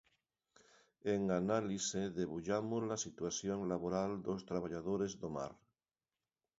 En Análise debullamos a situación laboral dos traballadores do mar.